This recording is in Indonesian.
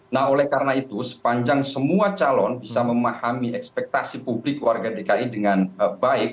nah oleh karena itu sepanjang semua calon bisa memahami ekspektasi publik warga dki dengan baik